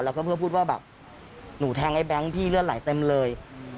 แล้วก็พูดว่านูแทง้แบงค์ที่เลือดรายเต็มเลย